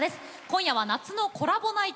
今夜は「夏のコラボナイト」。